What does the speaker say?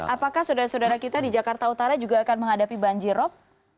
apakah saudara saudara kita di jakarta utara juga akan menghadapi banjirop